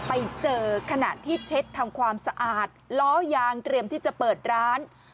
ไปเจอขณะที่เช็ดทำความสะอาดล้อยางเตรียมที่จะเปิดร้าน